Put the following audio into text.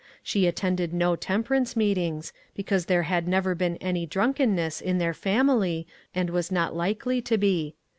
She attended no temperance meetings, because there had never been any drunkenness in their fam ily, and was not likely to be.